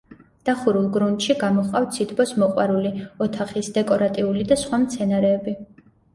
დახურულ გრუნტში გამოჰყავთ სითბოს მოყვარული, ოთახის, დეკორატიული და სხვა მცენარეები.